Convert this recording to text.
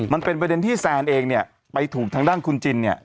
มันเป็นประเด็นที่แซนเองเนี่ยไปถูกทางด้านคุณจินเนี่ย